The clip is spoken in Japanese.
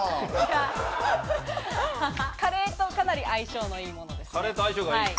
カレーと、かなり相性のいいものです。